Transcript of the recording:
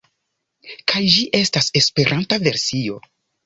Kaj ĝi estas Esperanta versio.